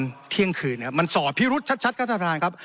เที่ยงคืนเนี่ยมันสอบพิรุษชัดครับท่านประธานครับ